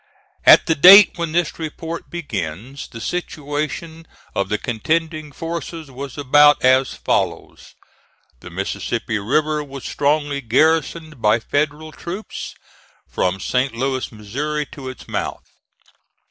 At the date when this report begins, the situation of the contending forces was about as follows: The Mississippi River was strongly garrisoned by Federal troops, from St. Louis, Missouri, to its mouth.